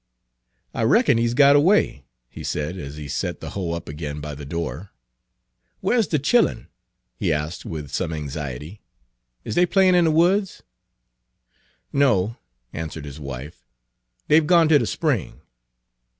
"I reckon he's got away," he said, as he set the hoe up again by the door. "Whar's de chillen?" he asked with some anxiety. "Is dey playin' in de woods?" Page 296 "No," answered his wife, "dey 've gone ter de spring."